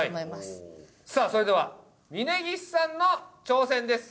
さあそれでは峯岸さんの挑戦です。